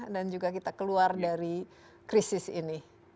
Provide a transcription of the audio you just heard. dan juga kita keluar dari krisis ini